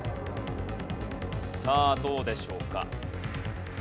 さあどうでしょうか？